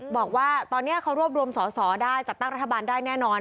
บอกว่าตอนนี้เขารวบรวมสอสอได้จัดตั้งรัฐบาลได้แน่นอน